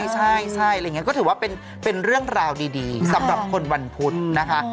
ใช่ก็ถือว่าเป็นเรื่องราวดีสำหรับคนวันพุธนะคะ